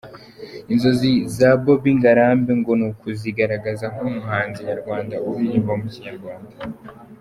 Inzozi za Bobby Ngarambe ngo ni ukuzigaragaza nk’umuhanzi nyarwanda uririmba mu Kinyarwanda.